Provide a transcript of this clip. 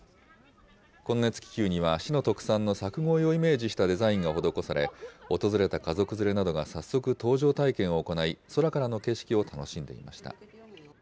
この熱気球には、市の特産の佐久鯉をイメージしたデザインが施され、訪れた家族連れなどが早速搭乗体験を行い、空からの景色を楽しんでいました。